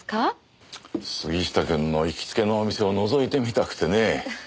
杉下くんの行きつけのお店をのぞいてみたくてねぇ。